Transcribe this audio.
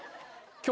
今日。